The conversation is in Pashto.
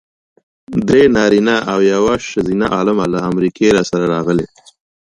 درې نارینه او یوه ښځینه عالمان له امریکې راسره راغلي.